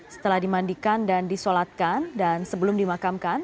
setelah dimandikan dan disolatkan dan sebelum dimakamkan